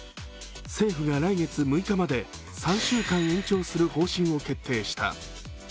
政府が来月６日まで３週間延長する方針を決定した。